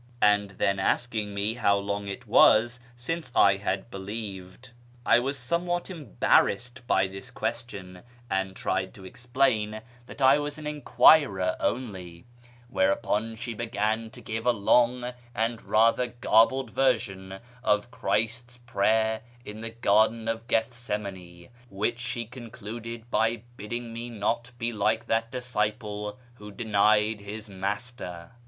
") and then asking me how long it was since I had believed. I was somewhat embarrassed by this question, and tried to explain that I was an enquirer only, whereupon she began to give a long and rather garbled version of Christ's prayer in the Garden of Gethsemane, which she concluded by bidding me not be like that disciple who denied his Master.